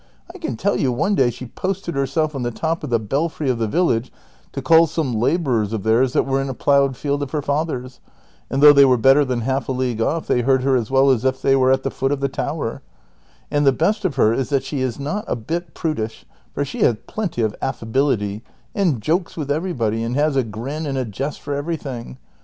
I can tell you one day she posted herself on the top of the belfry of the village to call some laborers of theirs that were in a ploughed field of her father's, and though they were better than half a league off they heard her as well as if they were at the foot of the tower ; and the best of her is that she is not a bit prudish, for she has plenty of affability, and jokes with everybody, and has a grin and a jest for everything.